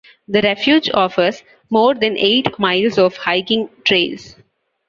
The refuge offers more than eight miles of hiking trails.